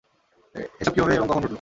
এসব কীভাবে এবং কখন ঘটল?